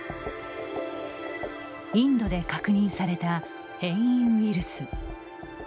インドで確認された変異ウイルス。